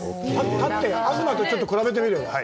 立って東とちょっと比べてみれば。